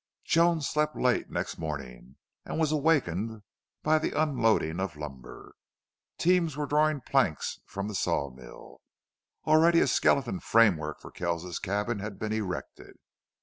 Joan slept late next morning, and was awakened by the unloading of lumber. Teams were drawing planks from the sawmill. Already a skeleton framework for Kells's cabin had been erected.